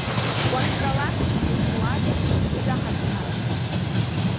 Уахьтәалаша даҽа уадак узаҳаԥшаап.